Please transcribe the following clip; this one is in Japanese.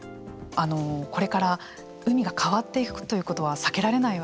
あのこれから海が変わっていくということは避けられないわけですよね。